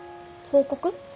報告？